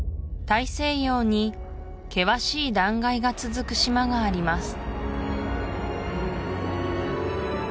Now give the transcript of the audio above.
大西洋に険しい断崖が続く島があります